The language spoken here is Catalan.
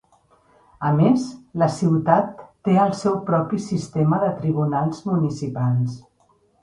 A més, la ciutat té el seu propi sistema de tribunals municipals.